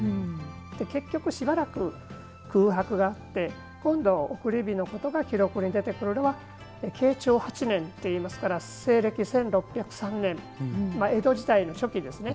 結局、しばらく空白があって今度、送り火のことが記録に出てくるのが慶長８年西暦１６０３年江戸時代の初期ですね。